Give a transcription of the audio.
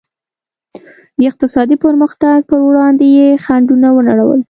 د اقتصادي پرمختګ پر وړاندې یې خنډونه ونړول.